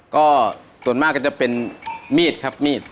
ก็ส่วนมากก็จะเป็นมีดครับมีด